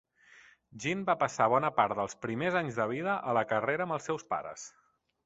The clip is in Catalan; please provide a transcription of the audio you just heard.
Jean va passar bona part dels primers anys vida a la carrera amb els seus pares.